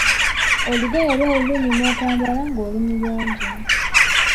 Olugoye olweru lunyuma kwambala ng'oli muyonjo.